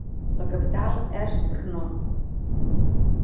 La capital és Brno.